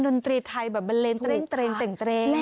ดนตรีไทยแบบบัลเลนท์เตรน